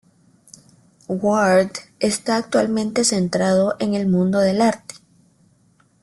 Ward esta actualmente centrado en el mundo del arte.